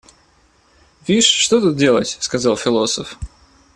Вишь, что тут делать? — сказал философ.